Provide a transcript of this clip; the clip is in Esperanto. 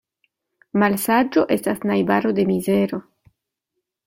Malsaĝo estas najbaro de mizero.